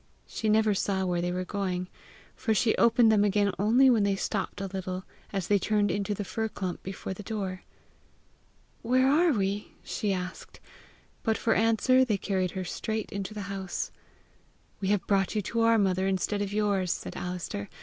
She never saw where they were going, for she opened them again only when they stopped a little as they turned into the fir clump before the door. "Where are we?" she asked; but for answer they carried her straight into the house. "We have brought you to our mother instead of yours," said Alister.